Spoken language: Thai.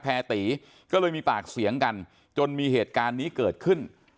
ตีก็เลยมีปากเสียงกันจนมีเหตุการณ์นี้เกิดขึ้น